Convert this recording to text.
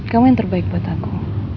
kamu yang terbaik buat aku